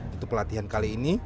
untuk pelatihan kali ini